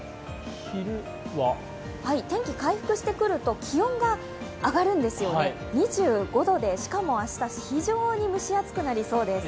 昼は天気回復してくると気温が上がるんですよね、２５度で２５度で、しかも明日、非常に蒸し暑くなりそうです。